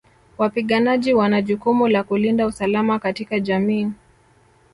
Wapiganaji wana jukumu la kulinda usalama katika jamii